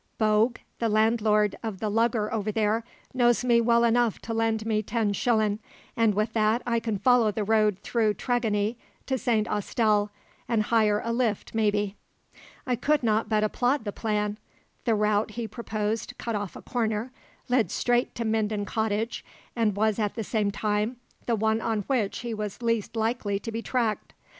Bogue, the landlord of The Lugger over there, knows me well enough to lend me ten shillin', an' wi' that I can follow the road through Tregony to St. Austell, an' hire a lift maybe." I could not but applaud the plan. The route he proposed cut off a corner, led straight to Minden Cottage, and was at the same time the one on which he was least likely to be tracked.